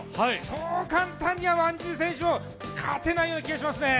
そう簡単にはワンジル選手も勝てないような気がしますね。